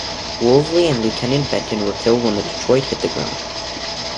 Woolsley and Lieutenant Benton were killed when the Detroit hit the ground.